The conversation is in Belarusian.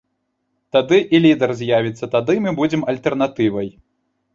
Тады і лідар з'явіцца, тады мы будзем альтэрнатывай.